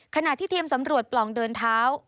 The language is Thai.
ขณะที่ทีมสำรวจปล่องเดินเท้า